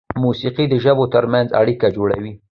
موسیقي د ژبو تر منځ اړیکه جوړوي.